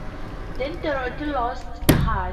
Then Dorothy lost heart.